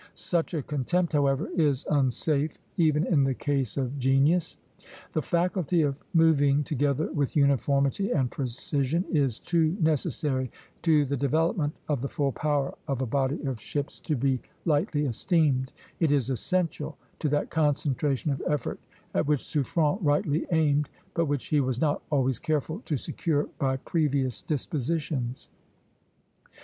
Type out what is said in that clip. Such a contempt, however, is unsafe even in the case of genius. The faculty of moving together with uniformity and precision is too necessary to the development of the full power of a body of ships to be lightly esteemed; it is essential to that concentration of effort at which Suffren rightly aimed, but which he was not always careful to secure by previous dispositions.